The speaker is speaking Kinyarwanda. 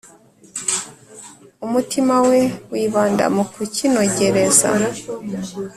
umutima we wibanda mu kukinogereza,